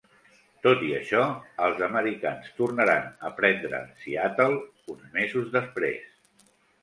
Tot i això, els americans tornaran a prendre Seattle uns mesos després.